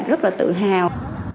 rất là tự hào